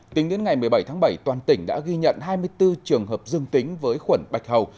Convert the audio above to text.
tính đến ngày một mươi bảy tháng bảy toàn tỉnh đã ghi nhận hai mươi bốn trường hợp dương tính với khuẩn bạch hầu